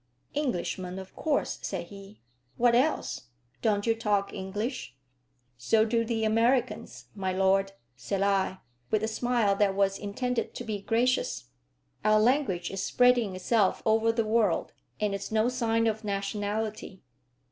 "Englishmen, of course," said he. "What else? Don't you talk English?" "So do the Americans, my lord," said I, with a smile that was intended to be gracious. "Our language is spreading itself over the world, and is no sign of nationality."